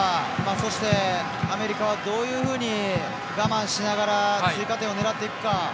そして、アメリカはどういうふうに我慢しながら追加点を狙っていくか。